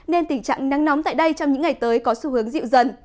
nên tình trạng nắng nóng tại đây trong những ngày tới có xu hướng dịu dần